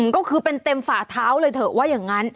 ก็คือเป็นเต็มฝ่าเท้าเลยเถอะว่าอย่างนั้น